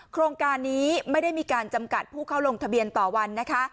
โครงการนี้ไม่ได้มีการจำกัดผู้เข้าลงทะเบียนต่อวัน